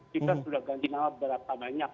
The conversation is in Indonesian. kita sudah ganti nama berapa banyak